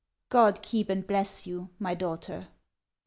God keep and bless you, my daughter.